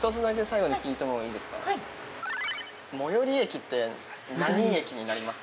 最寄駅って何駅になりますか？